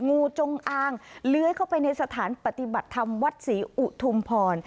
งูจงอางเลื้อยเข้าไปในสถานปฏิบัติธรรมวัดศรีอุทุมพร